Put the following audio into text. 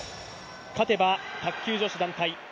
勝てば卓球女子団体